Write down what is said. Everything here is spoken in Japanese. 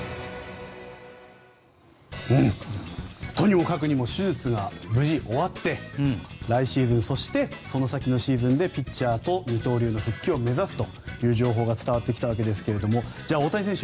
とにもかくにも手術が無事に終わって来シーズンそしてその先のシーズンでピッチャーと二刀流の復帰を目指すという情報が伝わってきたわけですがじゃあ、大谷選手